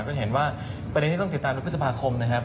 ก็เห็นว่าประเด็นที่ต้องติดตามในพฤษภาคมนะครับ